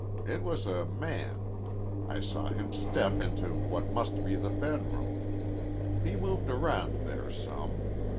It was a man. I saw him step into what must be the bedroom. He moved around there some.